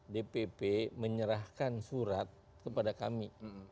dpp menyerahkan surat kepada kami